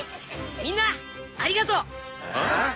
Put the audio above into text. みんなありがとう。はっ？